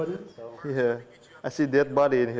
ya saya melihat tubuh mati di sini